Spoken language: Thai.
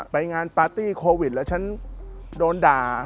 ไปงานปาร์ตี้โควิดแล้วฉันโดนด่า